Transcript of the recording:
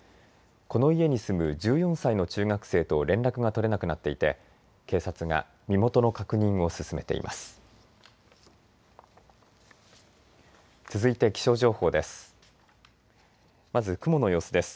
この家に住む１４歳の中学生と連絡が取れなくなっていて警察が身元の確認を進めています。